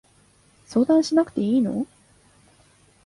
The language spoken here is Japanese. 相談しなくていいの？